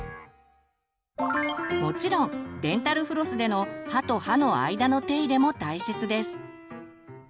もちろんデンタルフロスでの歯と歯の間の手入れも大切です。